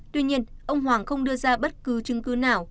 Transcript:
tuy nhiên ông hoàng không đưa ra bất cứ chứng cứ nào